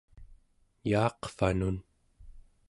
yaaqvanun